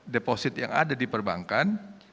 deposit yang ada di perbankan